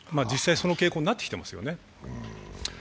実際、その傾向になってきますよね